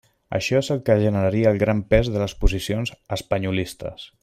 Això és el que generaria el gran pes de les posicions «espanyolistes».